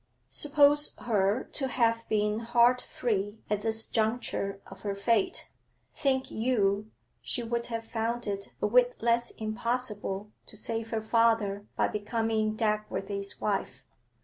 Suppose her to have been heart free at this juncture of her fate, think you she would have found it a whit less impossible to save her father by becoming Dagworthy's wife.